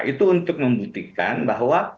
itu untuk membuktikan bahwa